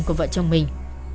của vợ chồng mình